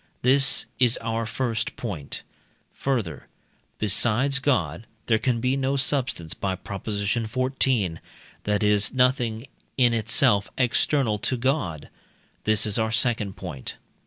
This is our first point. Further, besides God there can be no substance (by Prop. xiv.), that is nothing in itself external to God. This is our second point.